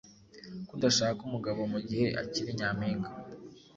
Kudashaka umugabo mu gihe akiri Nyampinga